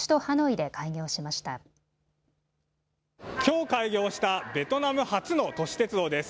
きょう開業したベトナム初の都市鉄道です。